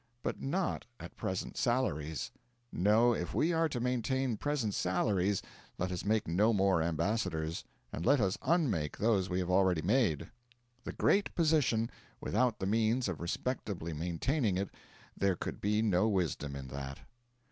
But not at present salaries! No; if we are to maintain present salaries, let us make no more ambassadors; and let us unmake those we have already made. The great position, without the means of respectably maintaining it there could be no wisdom in that.